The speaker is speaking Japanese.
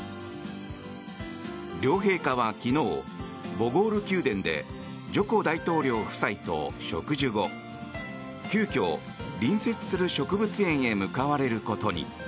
両陛下は昨日、ボゴール宮殿でジョコ大統領夫妻と植樹後急きょ、隣接する植物園へ向かわれることに。